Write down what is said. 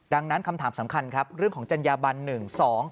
ดังนั้นคำถามสำคัญครับเรื่องของจัญญาบันหนึ่งสอง